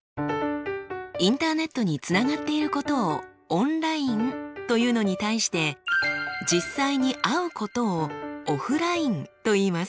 インターネットにつながっていることをオンラインというのに対して実際に会うことをオフラインといいます。